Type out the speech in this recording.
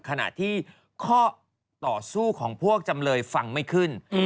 ขณะที่ข้อต่อสู้ของพวกจำเลยฟังไม่ขึ้น